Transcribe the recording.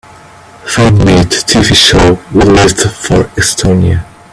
Find me the TV show We Lived for Estonia